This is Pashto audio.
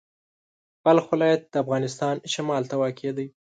بلخ ولایت د افغانستان شمال ته واقع دی.